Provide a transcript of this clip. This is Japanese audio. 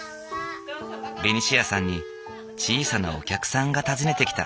ベニシアさんに小さなお客さんが訪ねてきた。